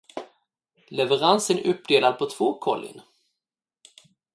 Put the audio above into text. Leveransen är uppdelad på två kollin.